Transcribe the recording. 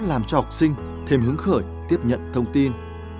qua đó làm cho học sinh thêm hướng khởi tiếp nhận thông tin